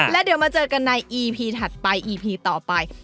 แล้วเดี๋ยวมาเจอกันในอีพีถัดไปอีพีต่อไป